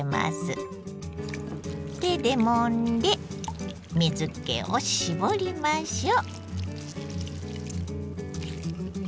手でもんで水けを絞りましょう。